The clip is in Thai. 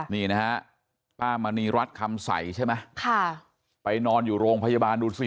นี่นะฮะป้ามณีรัฐคำใสใช่ไหมค่ะไปนอนอยู่โรงพยาบาลดูสิ